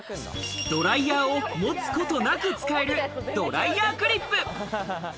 ドライヤーを持つことなく使えるドライヤークリップ。